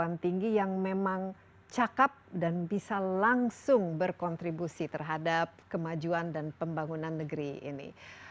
perguruan tinggi yang memang cakep dan bisa langsung berkontribusi terhadap kemajuan dan pembangunan negeri ini